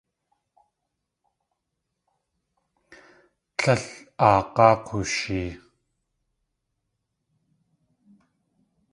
Tlél aag̲áa k̲ooshee.